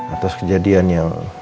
atas kejadian yang